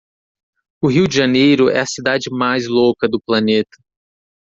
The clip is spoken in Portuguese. o rio de janeiro é a cidade mais louca do planeta